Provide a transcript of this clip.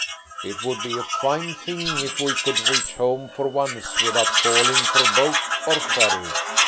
It would be a fine thing if we could reach home for once without calling for boat or ferry."